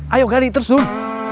ayo gali terus dut